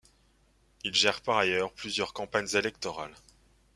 Il gère par ailleurs plusieurs campagnes électorales.